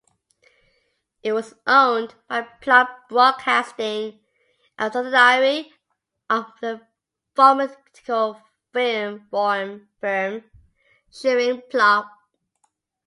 It was owned by Plough Broadcasting, a subsidiary of the pharmaceutical firm Schering-Plough.